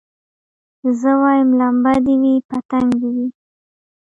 زه وايم لمبه دي وي پتنګ دي وي